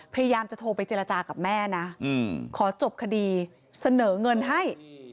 พยายามจะโทรไปเจรจากับแม่นะขอจบคดีเสนอเงินให้